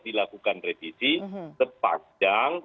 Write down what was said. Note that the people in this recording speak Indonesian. dilakukan revisi sepanjang